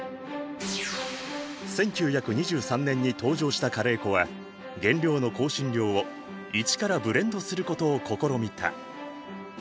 １９２３年に登場したカレー粉は原料の香辛料を一からブレンドすることを試みた。